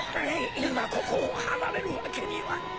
今ここを離れるわけには。